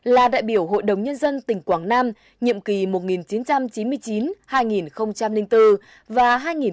là đại biểu hội đồng nhân dân tỉnh quảng nam nhiệm kỳ một nghìn chín trăm chín mươi chín hai nghìn bốn và hai nghìn một mươi một